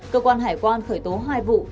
cơ quan hải quan khởi tố hai vụ